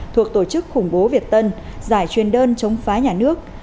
thuộc tổ chức khủng bố việt tân giải chuyên đơn chống phá nhà nước